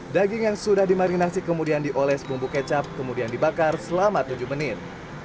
daging yang sudah dimarinasi kemudian dioles bumbu kecap kemudian dibakar selama tujuh menit